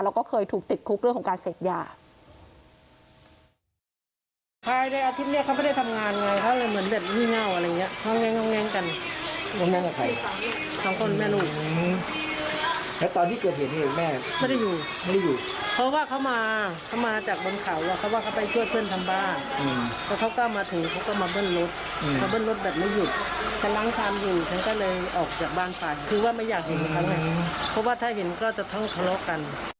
แล้วก็เคยถูกติดคุกเรื่องของการเสพยา